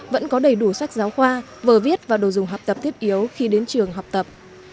vẫn có đầy đủ sách giáo khoa vừa viết và đồ dùng học tập thiết yếu khi đến trường học tập